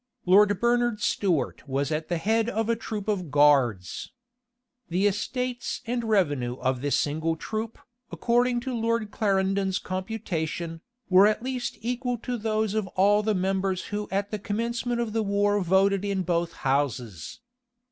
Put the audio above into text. Lord Bernard Stuart was at the head of a troop of guards. The estates and revenue of this single troop, according to Lord Clarendon's computation, were at least equal to those of all the members who at the commencement of war voted in both houses.